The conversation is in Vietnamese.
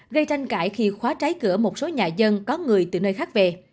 gây tranh cãi khi khóa trái cửa một số nhà dân có người từ nơi khác về